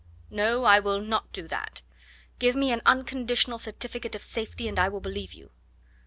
"No, I will not do that. Give me an unconditional certificate of safety and I will believe you."